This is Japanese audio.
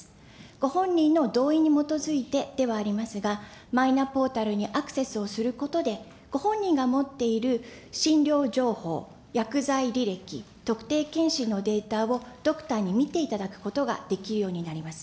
ご本人の同意に基づいてではありますが、マイナポータルにアクセスをすることで、ご本人が持っている診療情報、薬剤履歴、特定検診のデータをドクターに見ていただくことができるようになります。